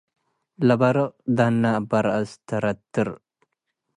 ለበርቅ ደነ እበ ረአስ ተረትር